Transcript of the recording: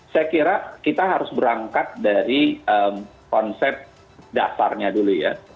saya kira kita harus berangkat dari konsep dasarnya dulu ya